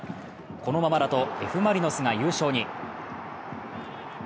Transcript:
このままだとＦ・マリノスが優勝に。